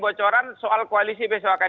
bocoran soal koalisi besok akan